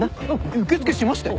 受け付けしましたよ。